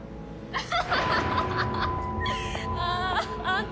アハハッ！